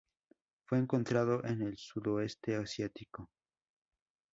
Fue encontrado en el Sudoeste Asiático.